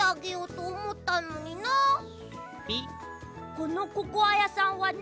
このココアやさんはね